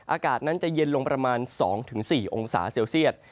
อากาศนั้นจะเย็นลงประมาณ๒๔องศาเซลเซียต